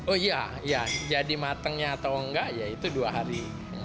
oh iya jadi matengnya atau enggak ya itu dua hari